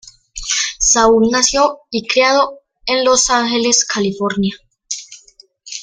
Saul nació y criado en Los Ángeles, California.